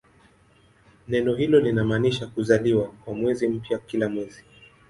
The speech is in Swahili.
Neno hilo linamaanisha "kuzaliwa" kwa mwezi mpya kila mwezi.